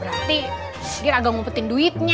berarti dia agak ngumpetin duitnya